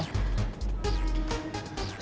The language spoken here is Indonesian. lo akan merasa lebih baik